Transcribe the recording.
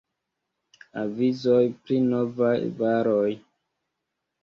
Avizoj pri Novaj Varoj.